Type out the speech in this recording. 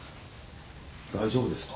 大丈夫ですか？